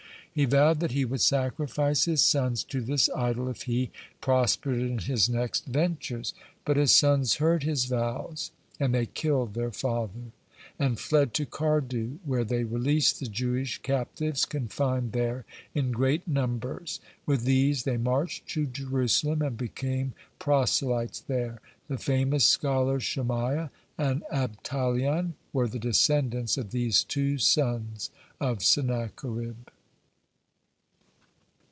He vowed that he would sacrifice his sons to this idol if he prospered in his next ventures. But his sons heard his vows, and they killed their father, (60) and fled to Kardu where they released the Jewish captives confined there in great numbers. With these they marched to Jerusalem, and became proselytes there. The famous scholars Shemaiah and Abtalion were the descendants of these two sons of Sennacherib.